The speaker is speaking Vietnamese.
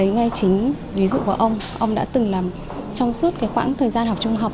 ngay chính ví dụ của ông ông đã từng làm trong suốt khoảng thời gian học trung học